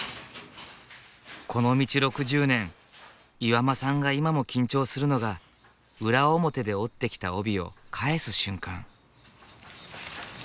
この道６０年岩間さんが今も緊張するのが裏表で織ってきた帯を返す瞬間。